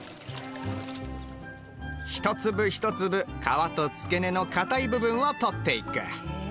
一粒一粒皮と付け根のかたい部分を取っていく。